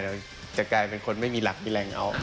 จะกลายเป็นคนไม่มีหลักมีแรงเอา